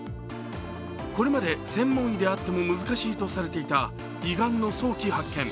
これまで専門医であっても難しいとされていた胃がんの早期発見。